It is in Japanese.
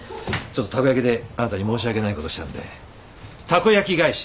ちょっとたこ焼きであなたに申し訳ないことしたんでたこ焼き返しだ。